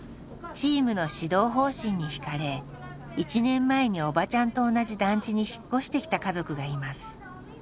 チームの指導方針に惹かれ１年前におばちゃんと同じ団地に引っ越してきた家族がいます。